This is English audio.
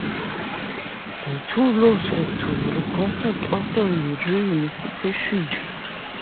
The two laws had to be reconciled after reunification.